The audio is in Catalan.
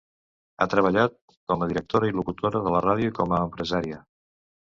Ha treballat com a directora i locutora de ràdio i com a empresària.